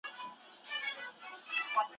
د زده کړي زمینه باید ټولو ته وي.